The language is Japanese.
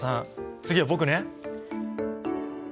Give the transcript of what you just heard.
次は僕ね。